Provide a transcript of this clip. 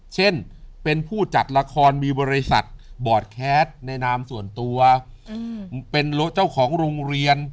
เช่นเป็นผู้จัดละครมีบริษัทบอร์ดแคสต์ในนามส่วนตัวเป็นเจ้าของโรงเรียน